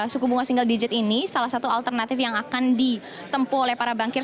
suku bunga single digit ini salah satu alternatif yang akan ditempuh oleh para bankir